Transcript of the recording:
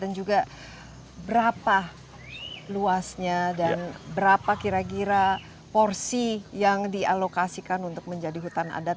juga berapa luasnya dan berapa kira kira porsi yang dialokasikan untuk menjadi hutan adat